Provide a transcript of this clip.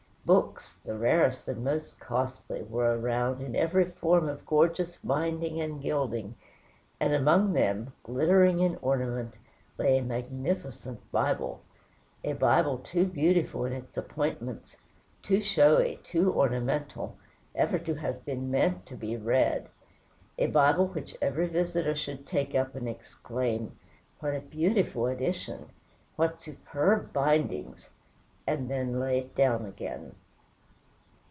Books, the rarest and most costly, were around, in every form of gorgeous binding and gilding, and among them, glittering in ornament, lay a magnificent Bible a Bible too beautiful in its appointments, too showy, too ornamental, ever to have been meant to be read a Bible which every visitor should take up and exclaim, "What a beautiful edition! what superb bindings!" and then lay it down again.